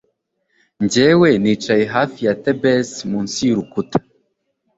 Njyewe nicaye hafi ya Thebes munsi yurukuta